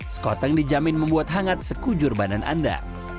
sekoteng dijamin membuat hangat sekujur badan anda